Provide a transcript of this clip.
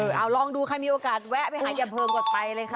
เออเอาลองดูใครมีโอกาสแวะไปหาเจ็บเพิงก่อนไปเลยค่ะ